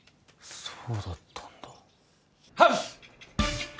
そうだったんだ。